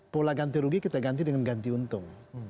pola ganti rugi kita ganti dengan ganti untung